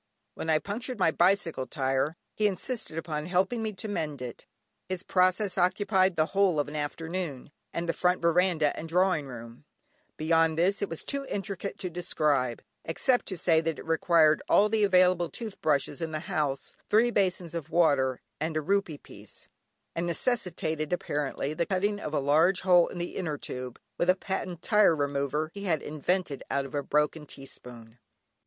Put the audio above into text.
When I punctured my bicycle tyre he insisted upon helping me to mend it. His process occupied the whole of an afternoon, and the front veranda and drawing room; beyond this, it was too intricate to describe, except to say that it required all the available tooth brushes in the house, three basins of water, and a rupee piece, and necessitated, apparently, the cutting of a large hole in the inner tube, with a patent tyre remover he had invented out of a broken teaspoon.